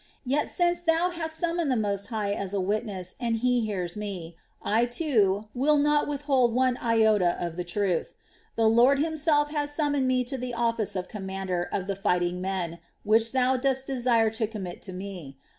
Yet since thou hast summoned the Most High as a witness and He hears me, I, too, will not withhold one iota of the truth. The Lord Himself has summoned me to the office of commander of the fighting men which thou dost desire to commit to me.